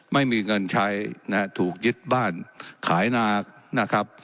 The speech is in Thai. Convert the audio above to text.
ไม่มีเงินใช้นะฮะถูกยึดบ้านขายนานะครับ